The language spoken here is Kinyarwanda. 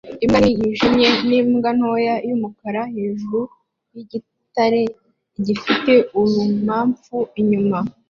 Imbwa nini yijimye nimbwa ntoya yumukara hejuru yigitare gifite urumamfu inyuma